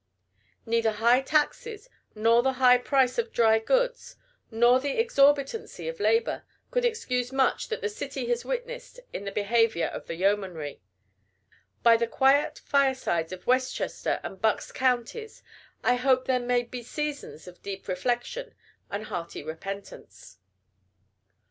Neither high taxes, nor the high price of dry goods, nor the exorbitancy of labor, could excuse much that the city has witnessed in the behavior of the yeomanry. By the quiet firesides of Westchester and Bucks counties I hope there may be seasons of deep reflection and hearty repentance.